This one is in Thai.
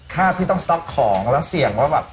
ที่ต้องสต๊อกของแล้วเสี่ยงว่าแบบ